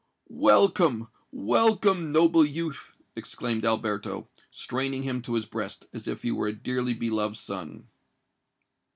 "Welcome—welcome, noble youth!" exclaimed Alberto, straining him to his breast, as if he were a dearly beloved son.